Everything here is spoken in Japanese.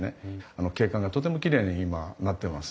景観がとてもきれいに今なってます。